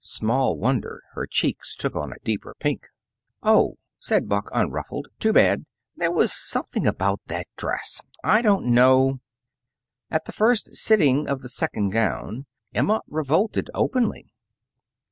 Small wonder her cheeks took on a deeper pink. "Oh," said Buck, unruffled, "too bad! There was something about that dress I don't know " At the first sitting of the second gown, Emma revolted openly.